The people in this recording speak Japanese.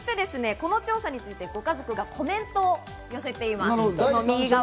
そしてですね、この調査についてご家族がコメントを寄せています。